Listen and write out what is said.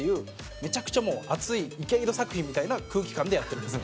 めちゃくちゃ、もう熱い池井戸作品みたいな空気感でやってるんですよ。